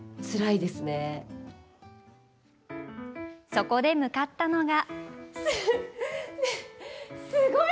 そこで、向かったのが。